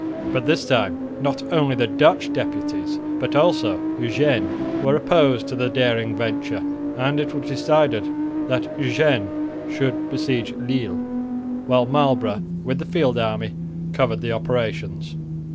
But this time not only the Dutch deputies, but also Eugene, were opposed to the daring venture, and it was decided that Eugene should besiege Lille, while Marlborough with the field army covered the operations.